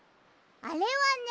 あれはね